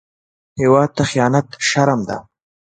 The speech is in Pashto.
هېواد ته خيانت شرم دی